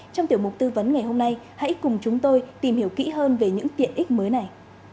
trong tiểu mục tư vấn ngày hôm nay hãy cùng chúng tôi tìm hiểu kỹ hơn về những tiện ích mới này